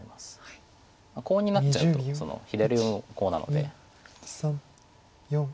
コウになっちゃうと左上もコウなので。